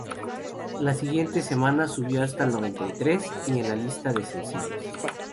La semana siguiente subió hasta el noventa y tres en la lista de sencillos.